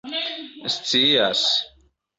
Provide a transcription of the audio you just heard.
scias